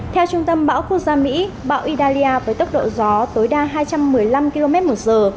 theo trung tâm bão quốc gia mỹ bão italia với tốc độ gió tối đa hai trăm một mươi năm km một giờ